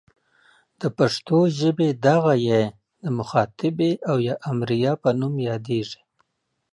د پښتو ژبې دغه ئ د مخاطبې او یا امریه په نوم یادیږي.